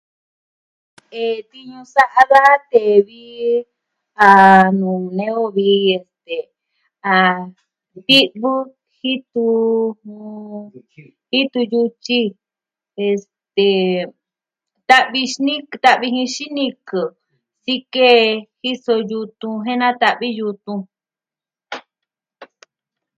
Eh, tiñu sa'a da tee vi a nuu nee o vi a ti'vɨ jitu, jitu yutyi, titɨ yutyi, este, tavixni, ta'vi jin xinikɨ, sikee, jiso yutun jen nata'vi yutun.